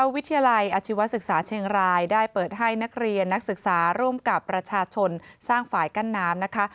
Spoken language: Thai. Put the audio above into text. วิทยาลัยอาชีวศึกษาเชียงรายได้เปิดให้นักเรียนนักศึกษาร่วมกับประชาชนสร้างฝ่ายกั้นน้ำนะคะ